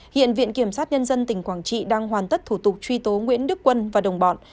hiện viện kiểm sát nhân dân tỉnh quảng trị đang hoàn tất thủ tục truy tố nguyễn đức quân và đồng bọn